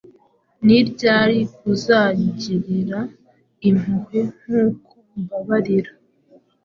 Ni ryari uzagirira impuhwe nk'uko mbabarira?